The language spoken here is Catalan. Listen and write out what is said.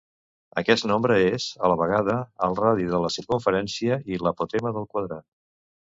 Aquest nombre és, a la vegada, el radi de la circumferència i l'apotema del quadrat.